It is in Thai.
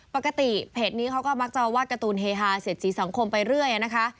ปกติเพจนี้เขาก็มักจะวาดการ์ตูนเฮฮาเสียดสีสังคมไปเรื่อยนะคะ